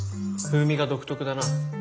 風味が独特だな。